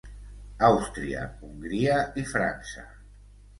Àustria, Hongria i França.